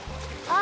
あ。